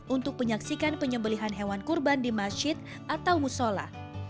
untuk penyaksikan penyembelian hewan kurban di masjid atau musola